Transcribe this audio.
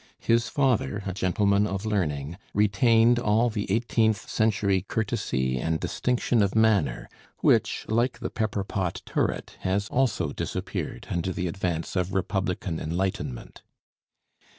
His father, a gentleman of learning, retained all the eighteenth century courtesy and distinction of manner, which, like the pepper pot turret, has also disappeared under the advance of Republican enlightenment.